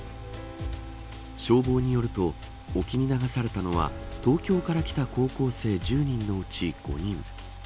消防によると、沖に流されたのは東京から来た高校生１０人のうち５人。